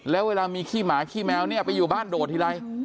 แล้วเวลามีขี้หมาขี้แมวเนี่ยไปอยู่บ้านโดดทีไร